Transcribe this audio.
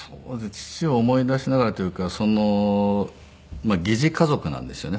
父を思い出しながらというか疑似家族なんですよね。